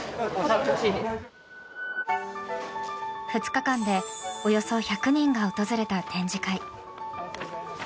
２日間でおよそ１００人が訪れた展示会。